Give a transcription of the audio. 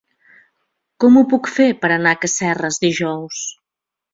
Com ho puc fer per anar a Casserres dijous?